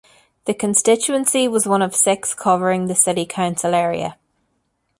The constituency was one of six covering the city council area.